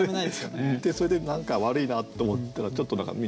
でそれで何か悪いなと思ったらちょっとみんなね